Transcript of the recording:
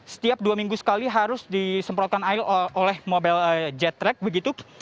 setiap dua minggu sekali harus disemprotkan air oleh mobil jet track begitu